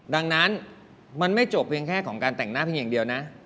ดังนั้นมันไม่จบเพียงแค่ของการแต่งหน้าเพียงอย่างเดียวนะ